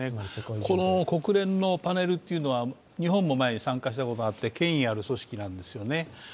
国連のパネルというのは日本も前に参加したことがあって権威ある組織なんですよね。